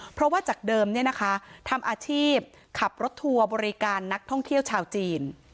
เพราะว่าจากเดิมทำอาชีพขับรถทัวร์บริการนักท่องเที่ยวชาวจีน